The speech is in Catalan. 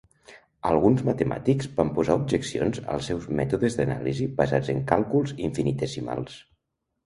Alguns matemàtics van posar objeccions als seus mètodes d'anàlisi basats en càlculs infinitesimals.